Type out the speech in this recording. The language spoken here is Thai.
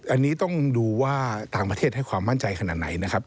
อันนี้ต้องดูว่าต่างประเทศให้ความมั่นใจขนาดไหนนะครับ